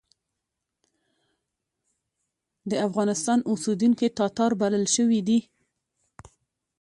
د افغانستان اوسېدونکي تاتار بلل شوي دي.